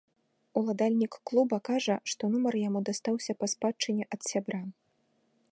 Уладальнік клуба кажа, што нумар яму дастаўся па спадчыне ад сябра.